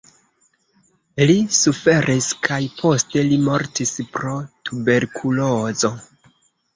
Li suferis kaj poste li mortis pro tuberkulozo.